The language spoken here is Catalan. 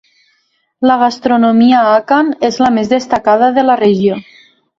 La gastronomia àkan és la més destacada de la regió.